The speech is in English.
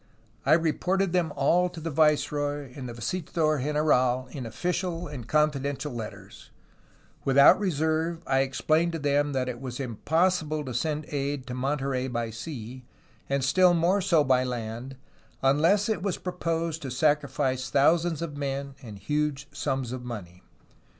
"I reported them all to the viceroy and the visitador general in official and confidential letters; without reserve I explained to them that it was impossible to send aid to Monterey by sea, and still more so by land, unless it was proposed to sacrifice thousands of men and huge sums of money.